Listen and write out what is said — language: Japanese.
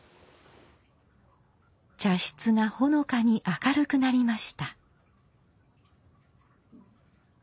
茶室がほのかに明るくなりました。